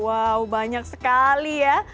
wow banyak sekali ya